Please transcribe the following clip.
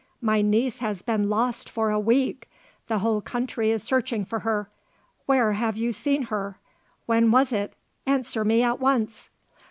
My niece has been lost for a week! The whole country is searching for her! Where have you seen her? When was it? Answer me at once!"